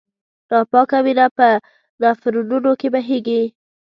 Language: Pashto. ناپاکه وینه په نفرونونو کې بهېږي.